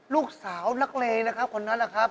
ลูกสาวนักเลนะครับคนนั้นแหละครับ